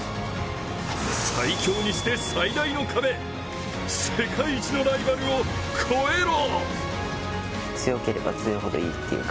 最強にして最大の壁、世界一のライバルを超えろ！